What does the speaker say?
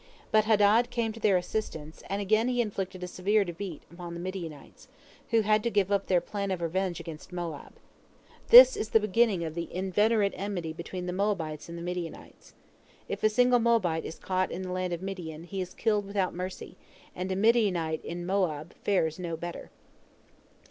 But Hadad came to their assistance, and again he inflicted a severe defeat upon the Midianites, who had to give up their plan of revenge against Moab. This is the beginning of the inveterate enmity between the Moabites and the Midianites. If a single Moabite is caught in the land of Midian, he is killed without mercy, and a Midianite in Moab fares no better.